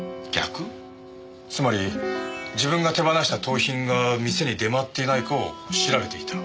つまり自分が手放した盗品が店に出回っていないかを調べていた。